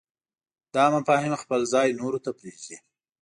دا مفاهیم خپل ځای نورو ته پرېږدي.